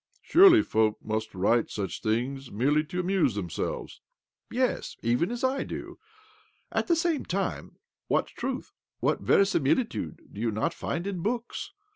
" Surely folk must write such things merely to amuse themselves ?"" Yes ; even as I do. At the same time, what truth, what verisimilitude, do you not find in books